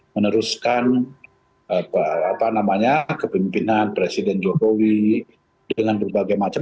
meneruskan kepemimpinan presiden jokowi dengan berbagai macam